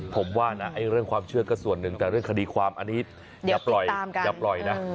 ผมว่านะเรื่องความเชื่อก็ส่วนหนึ่งแต่เรื่องคดีความอันนี้อย่าปล่อยนะ